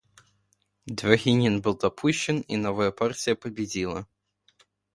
Дворянин был допущен, и новая партия победила.